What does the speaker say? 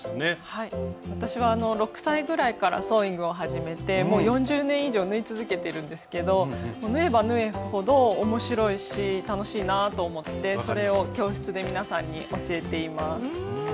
私は６歳ぐらいからソーイングを始めてもう４０年以上縫い続けてるんですけど縫えば縫うほど面白いし楽しいなぁと思ってそれを教室で皆さんに教えています。